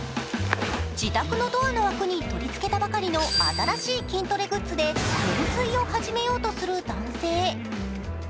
自宅のドアに取り付けたばかりの新しい筋トレグッズで懸垂を始めようとする男性。